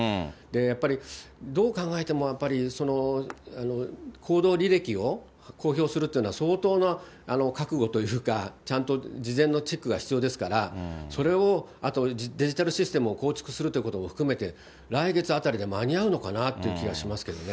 やっぱりどう考えても、行動履歴を公表するっていうのは、相当な覚悟というか、ちゃんと事前のチェックが必要ですから、それをあと、デジタルシステムを構築するということも含めて、来月あたりで間に合うのかなって気がしますけどね。